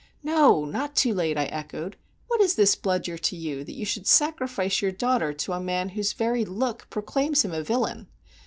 "No, not too late," I echoed. "What is this Bludyer to you, that you should sacrifice your daughter to a man whose very look proclaims him a villain?